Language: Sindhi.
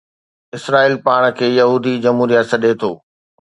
اسرائيل پاڻ کي يهودي جمهوريه سڏي ٿو